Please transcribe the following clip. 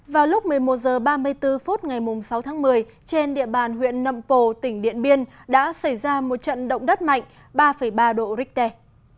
vào lúc một mươi một h ba mươi bốn phút ngày sáu tháng một mươi trên địa bàn huyện nậm pồ tỉnh điện biên đã xảy ra một trận động đất mạnh ba ba độ richter